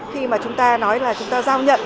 khi mà chúng ta nói là chúng ta giao nhận